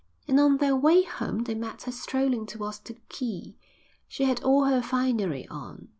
And on their way home they met her strolling towards the quay. She had all her finery on.